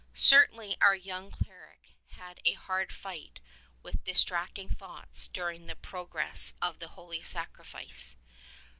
Certainly our young cleric had a hard fight with distract ing thoughts during the progress of the Holy Sacrifice.